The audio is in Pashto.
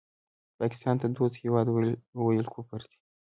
پاکستان ته دوست هېواد وویل کفر دی